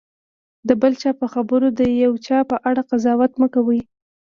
د بل چا په خبرو د یو چا په اړه قضاوت مه کوه.